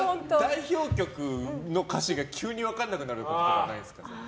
代表曲の歌詞が急に分からなくなるとかないですか？